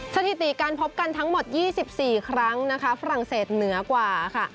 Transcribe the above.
สถิติการพบกันทั้งหมด๒๔ครั้งนะคะฝรั่งเศสเหนือกว่าค่ะ